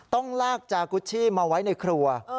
ต้องลากจากุชชี่มาไว้ในครัว